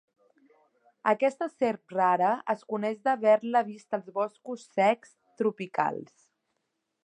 Aquesta serp rara es coneix d'haver-la vist als boscos secs tropicals.